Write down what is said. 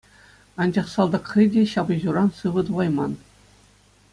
Анчах салтак хӑй те ҫапӑҫуран сывӑ тухайман.